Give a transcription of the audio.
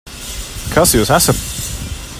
Kas jūs esat?